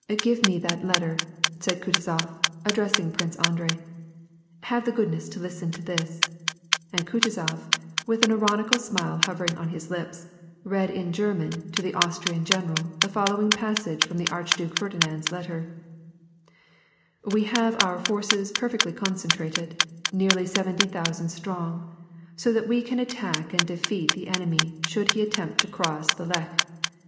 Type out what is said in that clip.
"Give me that letter," said Kutuzof, addressing Prince Andrei. "Have the goodness to listen to this," and Kutuzof, with an ironical smile hovering on his lips, read in Oerman to the Austrian general the following passage from the Archduke Ferdinand's letter :— "We have our forces perfoetly concentrated — nearly seventy thousand strong — so that we can attack and defeat the enemy should he attempt to cross tlie Lech.